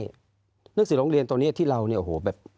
เรื่องสินโรงเรียนตรงนี้ที่เราเนี่ยโอ้โหแบบ